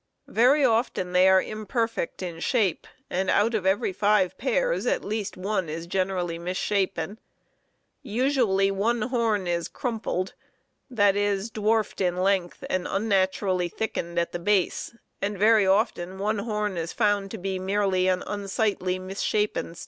Very often they are imperfect in shape, and out of every five pairs at least one is generally misshapen. Usually one horn is "crumpled," e. g., dwarfed in length and unnaturally thickened at the base, and very often one horn is found to be merely an unsightly, misshapen stub.